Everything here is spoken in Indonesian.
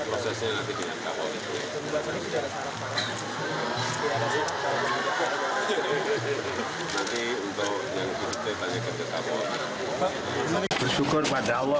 melil unlock kesungguhannya